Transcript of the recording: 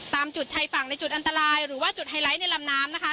ตามจุดชายฝั่งในจุดอันตรายหรือว่าจุดไฮไลท์ในลำน้ำนะคะ